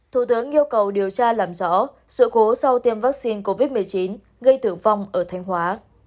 thủ tướng yêu cầu điều tra làm rõ sự cố sau tiêm vaccine covid một mươi chín gây tử vong ở thanh hóa